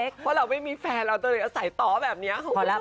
เพราะเราไม่มีแฟนเอาสายตาแบบนี้คุณผู้ชม